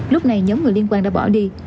lúc này nhóm người liên quan đã bỏ đi